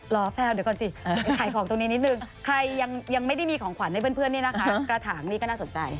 แพลวเดี๋ยวก่อนสิขายของตรงนี้นิดนึงใครยังไม่ได้มีของขวัญให้เพื่อนนี่นะคะกระถางนี่ก็น่าสนใจ